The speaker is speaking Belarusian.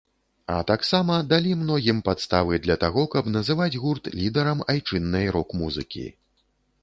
А таксама далі многім падставы для таго, каб называць гурт лідарам айчыннай рок-музыкі.